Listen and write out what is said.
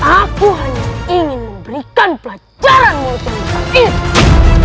aku hanya ingin memberikan pelajaranmu tentang ini